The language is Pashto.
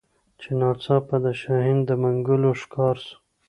چي ناڅاپه د شاهین د منګول ښکار سو